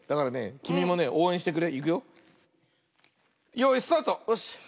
よいスタート！